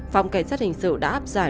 phòng cảnh sát hình sự đã áp giải